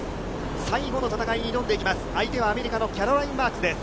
最後の戦いに挑んでいきます。